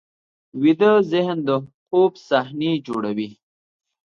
ویده ذهن د خوب صحنې جوړوي